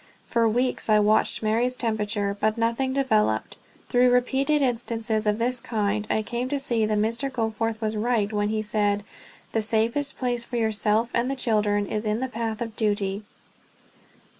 For weeks I watched Mary's temperature, but nothing developed. Through repeated instances of this kind I came to see that Mr. Goforth was right when he said, "The safest place for yourself and the children is in the path of duty."